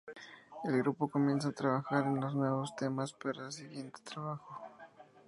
El grupo comienza a trabajar en los nuevos temas para su siguiente trabajo.